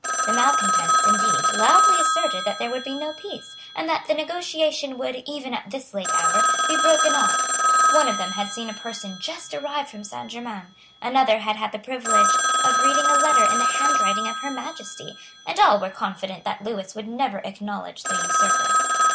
The malecontents, indeed, loudly asserted that there would be no peace, and that the negotiation would, even at this late hour, be broken off. One of them had seen a person just arrived from Saint Germains; another had had the privilege of reading a letter in the handwriting of Her Majesty; and all were confident that Lewis would never acknowledge the usurper.